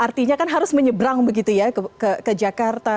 artinya kan harus menyebrang begitu ya ke jakarta